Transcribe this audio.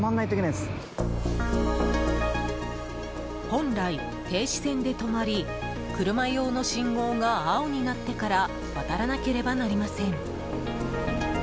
本来、停止線で止まり車用の信号が青になってから渡らなければなりません。